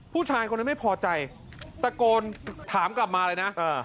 ผู้ชายคนนั้นไม่พอใจตะโกนถามกลับมาเลยนะ